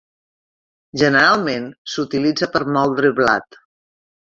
Generalment s'utilitza per moldre blat.